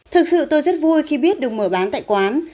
thực sự tôi rất vui khi biết được mở bán tại quán